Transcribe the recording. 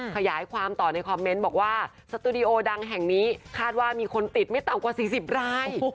ขยายความต่อในคอมเมนต์บอกว่าสตูดิโอดังแห่งนี้คาดว่ามีคนติดไม่ต่ำกว่า๔๐ราย